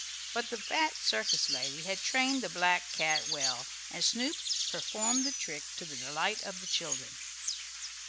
But the fat circus lady had trained the black cat well, and Snoop performed the trick to the delight of the children.